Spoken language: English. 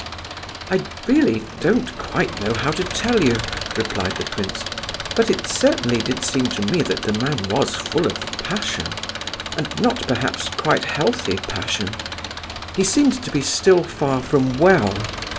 "I really don't quite know how to tell you," replied the prince, "but it certainly did seem to me that the man was full of passion, and not, perhaps, quite healthy passion. He seemed to be still far from well.